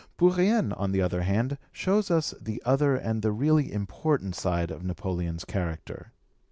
Bourrienne, on the other hand, shows us the other and the really important side of Napoleon's character.